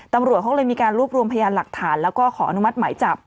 ตำรวจเขาเลยมีการรวบรวมพยานหลักฐานแล้วก็ขออนุมัติหมายจับ